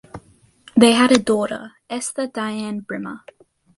They had a daughter, Esther Dianne Brimmer.